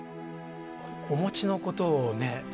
おもちのことをね